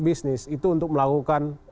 bisnis itu untuk melakukan